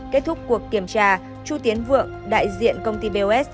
kết thúc cuộc kiểm tra chu tiến vượng đại diện công ty bos